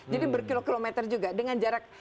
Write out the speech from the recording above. jadi berkilokilometer juga dengan jarak